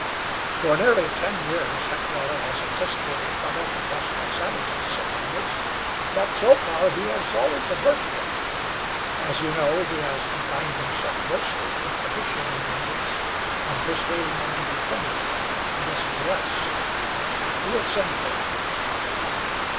"For nearly ten years Heckewelder has anticipated trouble from hostile savages," said Edwards, "but so far he has always averted it. As you know, he has confined himself mostly to propitiating the Indians, and persuading them to be friendly, and listen to us. We'll send for him."